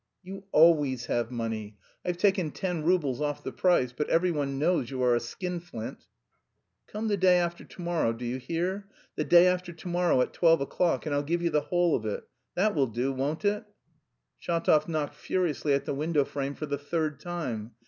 "You always have money. I've taken ten roubles off the price, but every one knows you are a skinflint." "Come the day after to morrow, do you hear, the day after to morrow at twelve o'clock, and I'll give you the whole of it, that will do, won't it?" Shatov knocked furiously at the window frame for the third time.